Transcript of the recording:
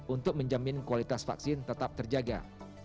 untuk menjamin kualitas vaksin tetap terjaga